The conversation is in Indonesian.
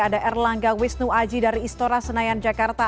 ada erlangga wisnu aji dari istora senayan jakarta